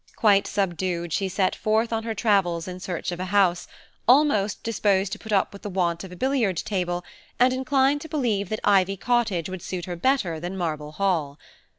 Quite subdued, she set forth on her travels in search of a house, almost disposed to put up with the want of a billiard table, and inclined to believe that Ivy Cottage would suit her better than Marble Hall.